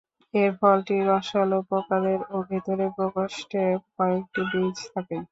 এর ফলটি রসালো প্রকারের ও ভেতরের প্রকোষ্ঠে কয়েকটি বীজ থাকে।